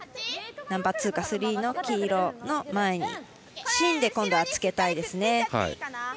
ナンバーツーかスリーの黄色の前に芯で今度はつけたいですね。